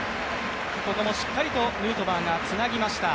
ここもしっかりとヌートーバーがつなぎました。